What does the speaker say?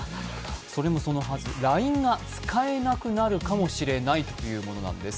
それもそのはず、ＬＩＮＥが使えなくなるかもしれないということなんです。